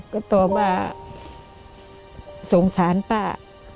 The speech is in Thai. ก็ตอบว่าสงสารป้า